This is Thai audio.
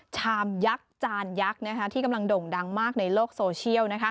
ชามยักษ์จานยักษ์ที่กำลังด่งดังมากในโลกโซเชียล